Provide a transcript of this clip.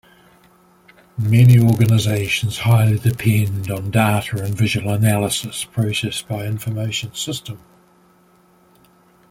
Many organisations highly depend on data and visual analysis processed by information system.